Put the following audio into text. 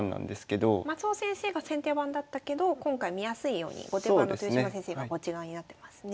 松尾先生が先手番だったけど今回見やすいように後手番の豊島先生がこっち側になってますね。